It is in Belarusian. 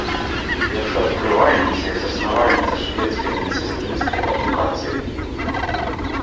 Першаадкрывальніца і заснавальніца шведскай медсястрынскай адукацыі.